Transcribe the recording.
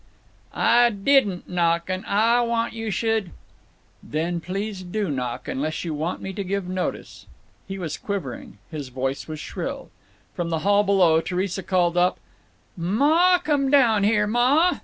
"Ah didn't knock, and Ah want you should—" "Then please do knock, unless you want me to give notice." He was quivering. His voice was shrill. From the hall below Theresa called up, "Ma, come down here. _Ma!